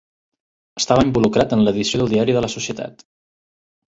Estava involucrat en l'edició del diari de la Societat.